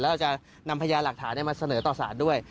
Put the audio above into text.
แล้วจะนำพญาหลักฐานจะเสนอต่อศาลด้วย